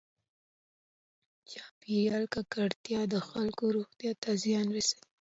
چاپېریال ککړتیا د خلکو روغتیا ته زیان رسوي.